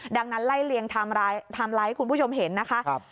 ดังนั้นไล่เลียงไทม์ไลน์ให้คุณผู้ชมเห็นนะคะ